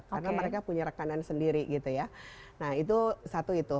karena mereka punya rekanan sendiri gitu ya nah itu satu itu